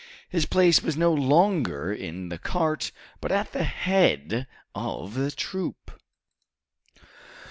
His place was no longer in the cart, but at the head of the troop.